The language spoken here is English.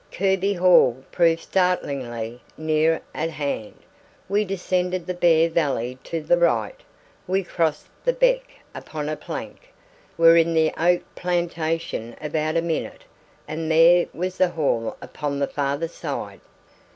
Kirby Hall proved startlingly near at hand. We descended the bare valley to the right, we crossed the beck upon a plank, were in the oak plantation about a minute, and there was the hall upon the farther side.